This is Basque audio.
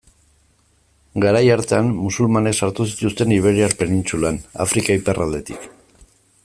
Garai hartan, musulmanek sartu zituzten Iberiar penintsulan, Afrika iparraldetik.